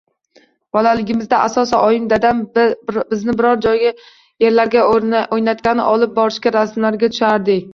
Bolaligimizda asosan oyim va dadam bizni biror yerlarga oʻynatgani olib borishsa rasmlarga tushar edik.